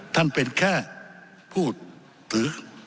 ท่านเป็นแค่พูดหรือ